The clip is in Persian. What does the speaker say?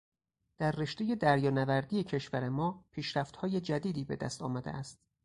در رشتهٔ دریانوردی کشور ما پیشرفتهای جدیدی به دست آمده است.